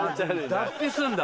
脱皮すんだ？